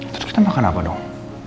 terus kita makan apa dong